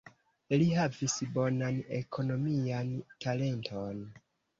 Li havis bonan ekonomian talenton.